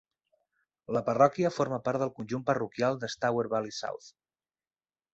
La parròquia forma part del conjunt parroquial de Stour Valley South.